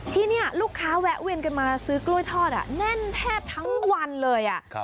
ที่นี่ลูกค้าแวะเวียนกันมาซื้อกล้วยทอดแน่นแทบทั้งวันเลย